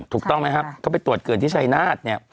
ถูกต้องไหมครับเขาไปตรวจเกิดที่ชายนาฏเนี่ย